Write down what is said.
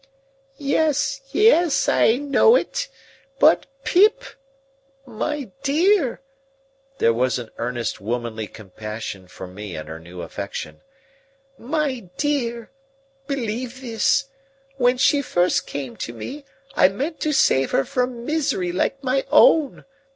"Yes, yes, I know it. But, Pip—my dear!" There was an earnest womanly compassion for me in her new affection. "My dear! Believe this: when she first came to me, I meant to save her from misery like my own.